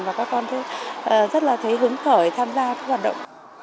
và các con rất là thấy hứng khởi tham gia các hoạt động